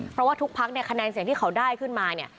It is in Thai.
เพราะว่าทุกพักเนี่ยคะแนนเสียงที่เขาได้ขึ้นมาเนี่ย